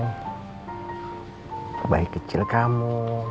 kebaik kecil kamu